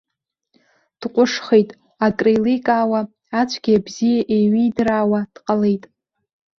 Дҟәышхеит, акреиликаауа, ацәгьеи абзиеи еиҩидыраауа дҟалеит.